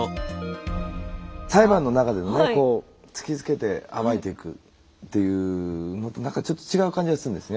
裁判の中でねこうつきつけて暴いていくっていうのと何かちょっと違う気がするんです。